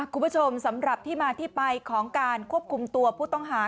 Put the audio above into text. คุณผู้ชมสำหรับที่มาที่ไปของการควบคุมตัวผู้ต้องหา